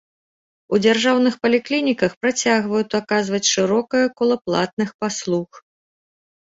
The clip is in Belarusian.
У дзяржаўных паліклініках працягваюць аказваць шырокае кола платных паслуг.